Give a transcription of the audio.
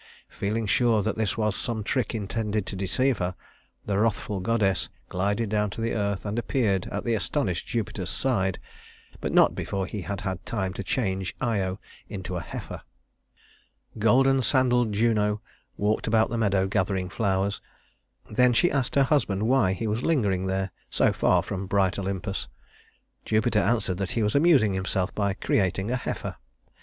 Feeling sure that this was some trick intended to deceive her, the wrathful goddess glided down to the earth and appeared at the astonished Jupiter's side but not before he had had time to change Io into a heifer. "Golden sandaled" Juno walked about the meadow gathering flowers, then she asked her husband why he was lingering there, so far from bright Olympus. Jupiter answered that he was amusing himself by creating a heifer.